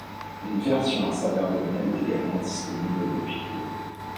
Une version à saveur de miel est également disponible depuis peu.